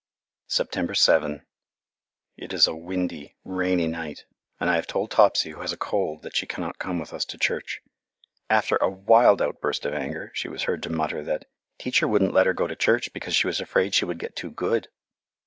September 7 It is a windy, rainy night, and I have told Topsy, who has a cold, that she cannot come with us to church. After a wild outburst of anger she was heard to mutter that "Teacher wouldn't let her go to church because she was afraid she would get too good."